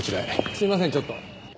すいませんちょっと。